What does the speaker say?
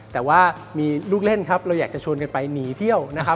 แต่ว่ามีลูกเล่นครับเราอยากจะชวนกันไปหนีเที่ยวนะครับ